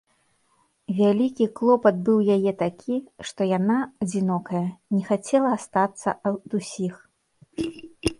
Вялікі клопат быў яе такі, што яна, адзінокая, не хацела астацца ад усіх.